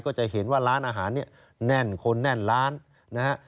ก็จะเห็นว่าร้านอาหารเนี่ยแน่นคนแน่นร้านนะฮะ